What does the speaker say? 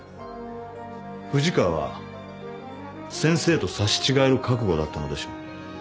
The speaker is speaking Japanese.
藤川は先生と刺し違える覚悟だったのでしょう。